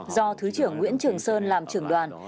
do thứ trưởng nguyễn trường sơn làm trưởng đoàn